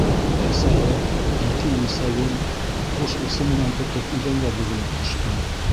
Әсәһе, ике имсәген ҡуш усы менән тотоп, иҙәнгә бөгөлөп төштө: